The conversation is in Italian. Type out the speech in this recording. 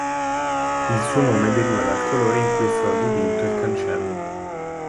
Il suo nome deriva dal colore in cui è stato dipinto il cancello.